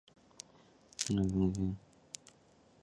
伊朗空军。